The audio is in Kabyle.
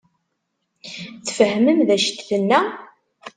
Tfehmem d acu i d-tenna?